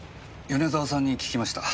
米沢さんに聞きました。